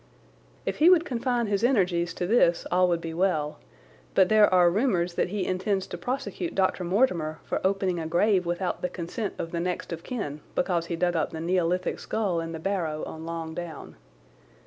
If he would confine his energies to this all would be well, but there are rumours that he intends to prosecute Dr. Mortimer for opening a grave without the consent of the next of kin because he dug up the Neolithic skull in the barrow on Long Down.